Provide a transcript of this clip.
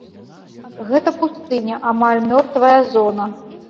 Гэта пустыня, амаль мёртвая зона.